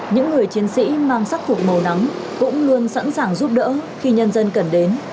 những người chiến sĩ mang sắc phục màu nắng cũng luôn sẵn sàng giúp đỡ khi nhân dân cần đến